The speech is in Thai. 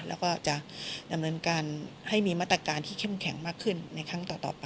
แล้วก็จะดำเนินการให้มีมาตรการที่เข้มแข็งมากขึ้นในครั้งต่อไป